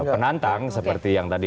penantang seperti yang tadi